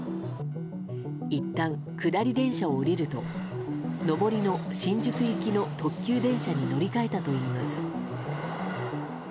いったん、下り電車を降りると上りの新宿行きの特急電車に乗り換えたといいます。